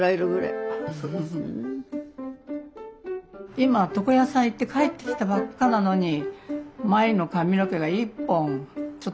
「今床屋さんへ行って帰ってきたばっかなのに前の髪の毛が一本ちょっと違う！